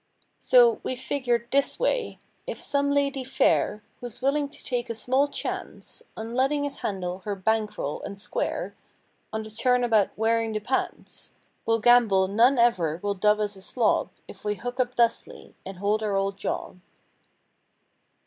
So, we've fibred this way: If some lady fair Who's willing to take a small chance On letting us handle her bank roll, and square On the turn about "wearing the pants," We'll gamble none ever will dub us a slob If we hook up thusly and hold our old job.